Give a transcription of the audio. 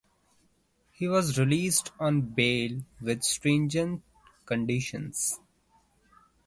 He was released on bail with stringent conditions.